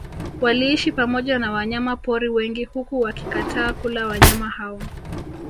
Waliishi pamoja na wanyama pori wengi huku wakikataa kula wanyama hao